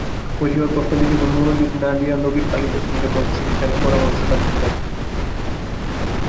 হরিহর প্রশ্নের দিকে কোন মনোযোগ না দিয়া নবীন পালিতের সঙ্গে মৎস্যশিকারের পরামর্শ তাঁটিতে লাগিল।